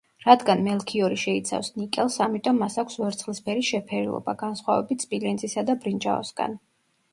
რადგან მელქიორი შეიცავს ნიკელს, ამიტომ მას აქვს ვერცხლისფერი შეფერილობა, განსხვავებით სპილენძისა და ბრინჯაოსგან.